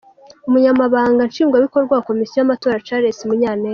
Umunyamabanga Nshingwabikorwa wa Komisiyo y’Amatora, Charles Munyaneza.